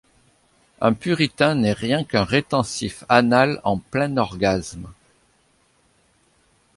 Un puritain n’est rien qu’un rétensif anal en plein orgasme.